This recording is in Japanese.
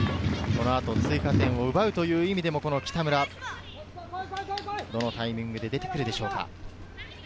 追加点を奪う意味でも北村、どのタイミングで出てくるでしょうか。